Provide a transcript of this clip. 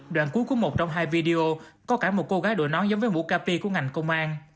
đoạn cuối của một trong hai video có cả một cô gái đồ nón giống với mũ capi của ngành công an